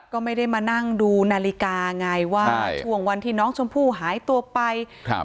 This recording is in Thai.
ก็ไม่ได้มานั่งดูนาฬิกาไงว่าช่วงวันที่น้องชมพู่หายตัวไปครับ